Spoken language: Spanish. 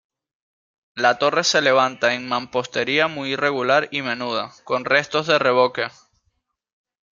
La torre se levanta en mampostería muy irregular y menuda, con restos de revoque.